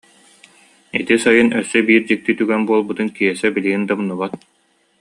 Ити сайын өссө биир дьикти түгэн буолбутун Киэсэ билигин да умнубат